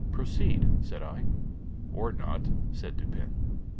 "Proceed," said I. "Or not," said Dupin.